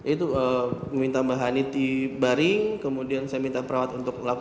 itu meminta mbah hani dibaring kemudian saya minta perawat untuk melakukan